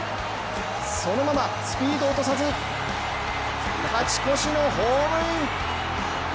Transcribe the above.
そのままスピードを落とさず貸し越しのホームイン。